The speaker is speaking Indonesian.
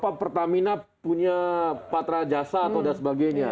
pak pertamina punya patra jasa atau sebagainya